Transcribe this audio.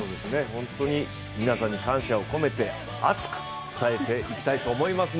本当に皆さんに感謝を込めて熱く伝えていきたいと思います